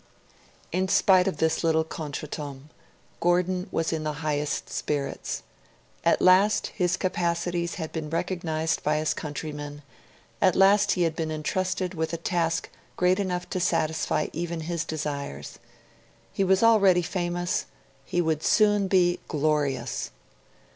In spite of this little contretemps, Gordon was in the highest spirits. At last his capacities had been recognised by his countrymen; at last he had been entrusted with a task great enough to satisfy even his desires. He was already famous; he would soon be glorious.